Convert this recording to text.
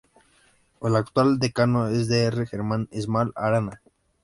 El actual decano es el Dr. Germán Small Arana.